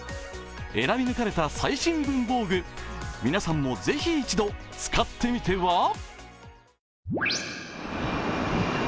選び抜かれた最新文房具皆さんもぜひ一度使ってみては。